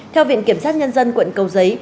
theo viện kiểm sát nhân dân quận cầu giấy